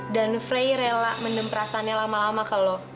dan fri rela mendem perasaannya lama lama ke lo